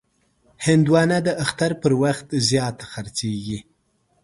هندوانه د اختر پر وخت زیات خرڅېږي.